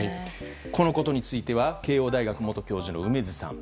このことについては慶應大学元教授の梅津さん。